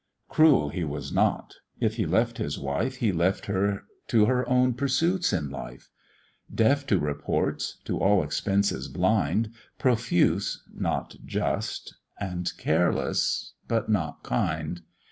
Cruel he was not if he left his wife, He left her to her own pursuits in life; Deaf to reports, to all expenses blind, Profuse, not just, and careless, but not kind.